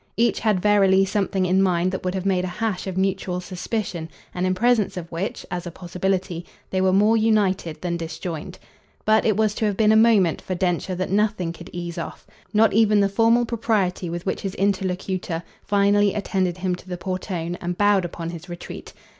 Each had verily something in mind that would have made a hash of mutual suspicion and in presence of which, as a possibility, they were more united than disjoined. But it was to have been a moment for Densher that nothing could ease off not even the formal propriety with which his interlocutor finally attended him to the portone and bowed upon his retreat.